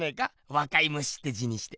「若い虫」って字にして。